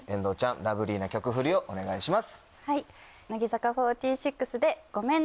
ラブリーな曲フリをお願いします。